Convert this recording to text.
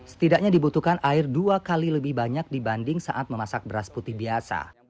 setidaknya dibutuhkan air dua kali lebih banyak dibanding saat memasak beras putih biasa